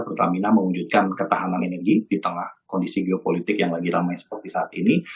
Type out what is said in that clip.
pertamina mewujudkan ketahanan energi di tengah kondisi geopolitik yang lagi ramai seperti saat ini